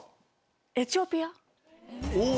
おエチオピア。